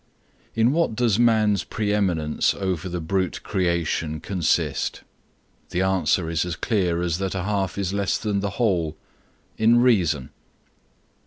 In what does man's pre eminence over the brute creation consist? The answer is as clear as that a half is less than the whole; in Reason.